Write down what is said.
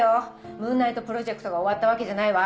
ムーンナイトプロジェクトが終わったわけじゃないわ。